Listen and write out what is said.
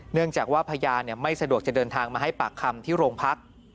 เนื่องจากว่าพยานไม่สะดวกจะเดินทางมาให้ปากคำที่โรงพัก